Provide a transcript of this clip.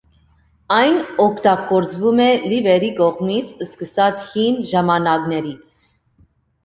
Այն օգտագործվում է լիվերի կողմից սկսած հին ժամանակներից։